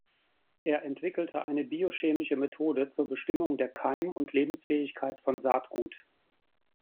Er entwickelte eine biochemische Methode zur Bestimmung der Keim- und Lebensfähigkeit von Saatgut.